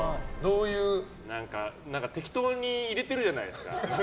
適当に入れてるじゃないですか。